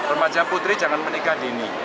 remaja putri jangan menikah dini